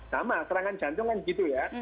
sama serangan jantung kan gitu ya